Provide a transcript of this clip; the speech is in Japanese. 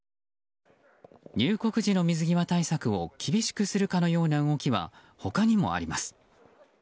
入国時の水際対策を厳しくするかのような動きは他にもあります。